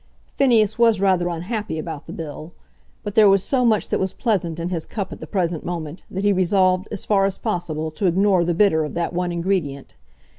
Phineas was rather unhappy about the bill; but there was so much that was pleasant in his cup at the present moment, that he resolved, as far as possible, to ignore the bitter of that one ingredient.